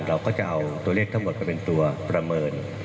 เราก็จะเอาตัวเลขทั้งหมดไปเป็นตัวประเมิน